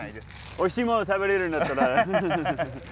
おいしいもの食べれるんだったら。